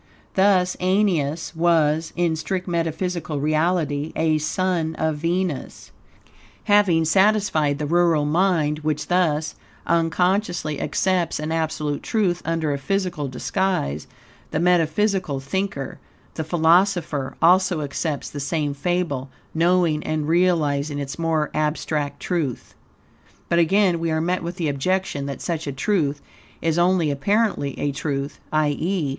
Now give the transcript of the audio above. Thus Aeneas was, in strict metaphysical reality, a son of Venus. Having satisfied the rural mind, which thus, unconsciously, accepts an absolute truth under a physical disguise, the metaphysical thinker, the philosopher, also accepts the same fable, knowing and realizing its more abstract truth, But, again, we are met with the objection that such a truth is only apparently a truth; i.e.